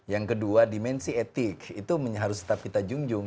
yang kedua dimensi etik itu harus tetap kita junjung